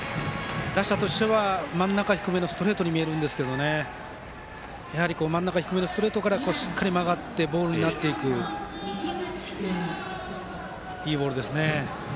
打者としては真ん中低めのストレートに見えますが真ん中低めのストレートからしっかり曲がってボールになっていくいいボールですね。